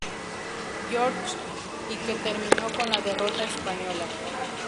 George y que terminó con la derrota española.